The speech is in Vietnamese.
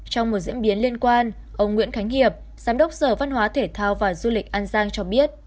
trong một diễn biến liên quan ông nguyễn khánh hiệp giám đốc sở văn hóa thể thao và du lịch an giang cho biết